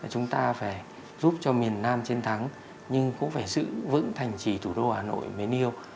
chúng ta phải giúp cho miền nam chiến thắng nhưng cũng phải giữ vững thành trì thủ đô hà nội mến yêu